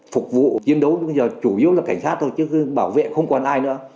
phục vụ chiến đấu chủ yếu là cảnh sát thôi chứ bảo vệ không còn ai nữa